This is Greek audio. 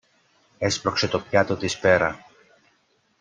Έσπρωξε το πιάτο της πέρα